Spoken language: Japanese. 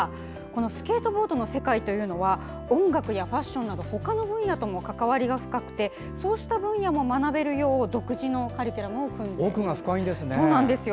スケートボードの世界は音楽やファッションなどほかの分野とも関わりが深くてそうした分野も学べるよう独自のカリキュラムを組んでいるんです。